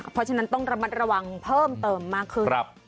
เพราะฉะนั้นต้องระมัดระวังเพิ่มเติมมากขึ้น